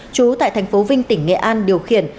trú tại thành phố vinh tỉnh nghệ an điều khiển